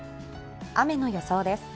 雨の予想です。